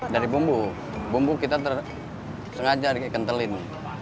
dari bumbu bumbu kita sengaja dikentelin